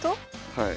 はい。